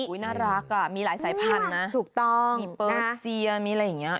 น่ารักอ่ะมีหลายสายพันธุ์นะถูกต้องมีเปอร์เซียมีอะไรอย่างนี้